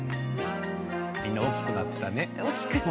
みんな大きくなったね。